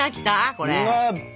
これ。